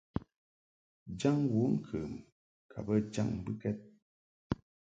Jaŋ wəŋkəm ka bə jaŋ mbɨkɛd.